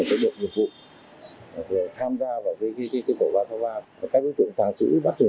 được nhiệm vụ tham gia vào việc kịp thời phát hiện ngang trạng số lượng lớn gói nước vui chuẩn bị tụ ra thị trường